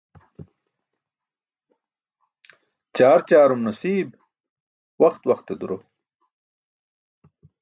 Ćaar ćaarum nasiib, waxt waxte duro.